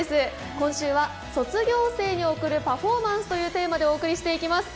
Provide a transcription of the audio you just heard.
今週は「卒業生に送るパフォーマンス」というテーマでお送りしていきます。